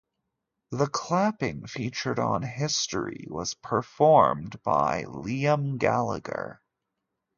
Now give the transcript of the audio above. The clapping featured on History was performed by Liam Gallagher.